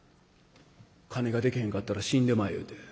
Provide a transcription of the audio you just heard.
金ができへんかったら死んでまえ言うて。